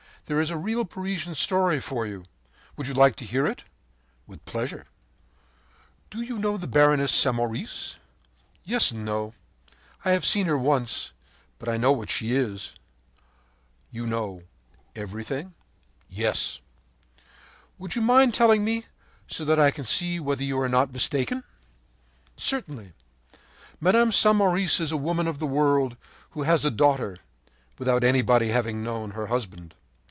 There is a real Parisian story for you! Would you like to hear it?” “With pleasure.” “Do you know the Baroness Samoris?” “Yes and no. I have seen her once, but I know what she is!” “You know—everything?” “Yes.” “Would you mind telling me, so that I can see whether you are not mistaken?” “Certainly. Mme. Samoris is a woman of the world who has a daughter, without anyone having known her husband.